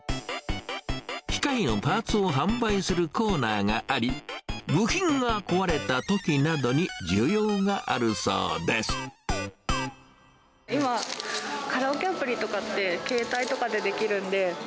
機械のパーツを販売するコーナーがあり、部品が壊れたときなどに今、カラオケアプリとかって携帯とかでできるんで。